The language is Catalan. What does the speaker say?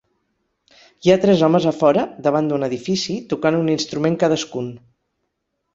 Hi ha tres homes a fora, davant d'un edifici, tocant un instrument cadascun.